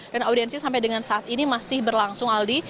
dan audiensi sampai dengan saat ini masih berlangsung aldi